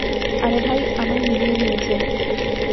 আরে, ভাই আমার মিলিয়ে নিয়েছে।